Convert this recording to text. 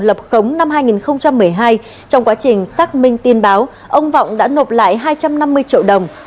lập khống năm hai nghìn một mươi hai trong quá trình xác minh tin báo ông vọng đã nộp lại hai trăm năm mươi triệu đồng